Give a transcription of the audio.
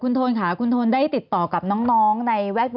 โทนค่ะคุณโทนได้ติดต่อกับน้องในแวดวง